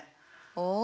お！